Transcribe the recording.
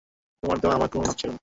রাস্তা ভুলে চলে আসলাম নাকি এখানে?